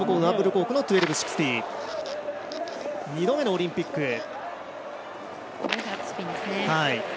２度目のオリンピック。